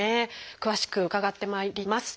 詳しく伺ってまいります。